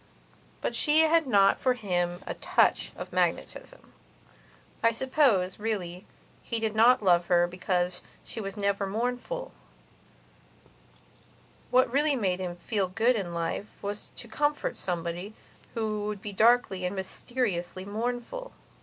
But she had not for him a touch of magnetism. I suppose, really, he did not love her because she was never mournful; what really made him feel good in life was to comfort somebody who would be darkly and mysteriously mournful.